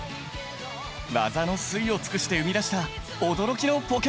技の粋を尽くして生み出した驚きのポケモン！